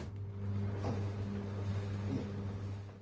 ああいえ